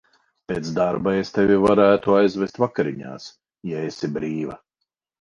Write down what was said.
Pēc darba es tevi varētu aizvest vakariņās, ja esi brīva.